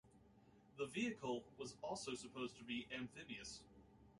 The vehicle was also supposed to be amphibious.